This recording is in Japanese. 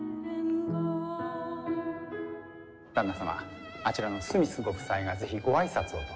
旦那様あちらのスミスご夫妻が是非ご挨拶をと。